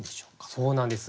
そうなんです。